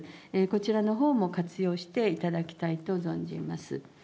こちらのほうも活用していただきたいと存じます。